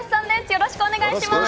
よろしくお願いします。